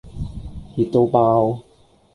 熱到爆